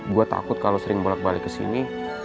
gue takut kalo sering bolak balik kesini